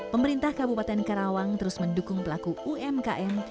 pemerintah kabupaten karawang terus mendukung pelaku umkm